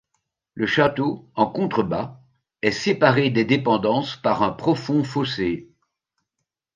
Le château, en contrebas, est séparé des dépendances par un profond fossé.